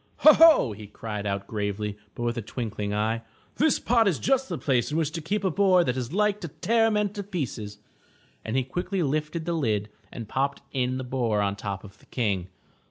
"Ho, ho!'' he cried out gravely, but with a twinkling eye, ''this pot is just the place in which to keep a boar that is like to tear men to pieces." And he quickly lifted the lid and popped in the boar on top of the King.